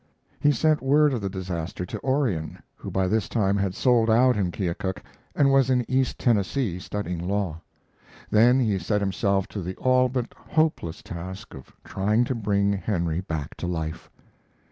He sent word of the disaster to Orion, who by this time had sold out in Keokuk and was in East Tennessee studying law; then he set himself to the all but hopeless task of trying to bring Henry back to life.